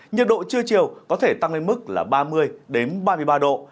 nhiệt độ trưa chiều có thể tăng lên mức là ba mươi ba mươi ba độ